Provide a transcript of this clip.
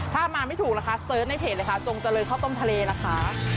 ถ้ามาไม่ถูกล่ะคะเสิร์ชในเพจเลยค่ะจงเจริญข้าวต้มทะเลล่ะคะ